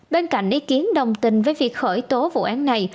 bên cạnh ý kiến đồng tình với việc khởi tố vụ án này